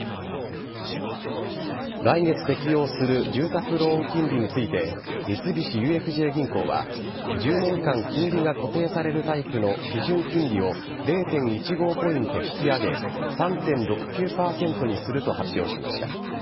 来月適用する住宅ローン金利について三菱ＵＦＪ銀行は１０年間金利が固定されるタイプの基準金利を０．１５ポイント引き上げ３．６９％にすると発表しました。